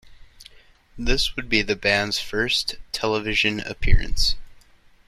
This would be the band's first television appearance.